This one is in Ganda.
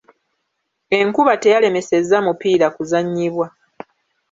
Enkuba teyalemesezza mupiira kuzannyibwa.